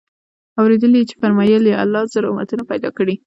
اورېدلي چي فرمايل ئې: الله زر امتونه پيدا كړي